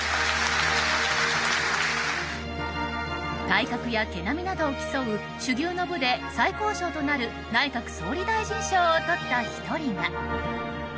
体格や毛並みなどを競う種牛の部で最高賞となる内閣総理大臣賞をとった１人が。